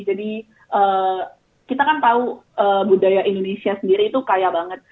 jadi kita kan tahu budaya indonesia sendiri itu kaya banget